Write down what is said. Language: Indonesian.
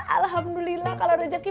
alhamdulillah kalau rezeki misalnya